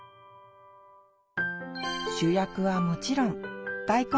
主役はもちろん大根です。